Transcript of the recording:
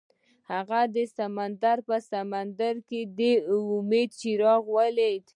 هغه د سمندر په سمندر کې د امید څراغ ولید.